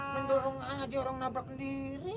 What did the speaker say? mendorong haji orang nabrak sendiri